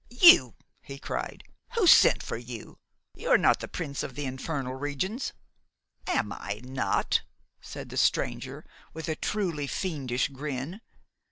'You!' he cried. 'Who sent for you? You are not the Prince of the Infernal Regions?' 'Am I not?' said the stranger, with a truly fiendish grin.